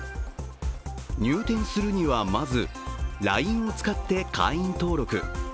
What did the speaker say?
入店するには、まず、ＬＩＮＥを使って会員登録。